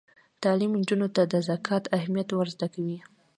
تعلیم نجونو ته د زکات اهمیت ور زده کوي.